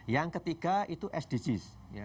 yang ketiga itu sdgs